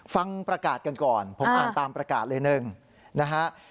ฟังประกาศกันก่อนผมอ่านตามประกาศเลยหนึ่งนะฮะ